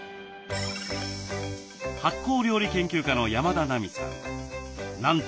発酵料理研究家の山田奈美さん。